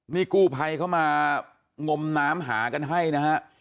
นี่กู้ไภเขามากลมน้ำหากันให้นะครับ